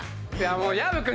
もう薮君。